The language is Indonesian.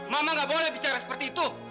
mama gak boleh bicara seperti itu